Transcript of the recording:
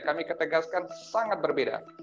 kami ketegaskan sangat berbeda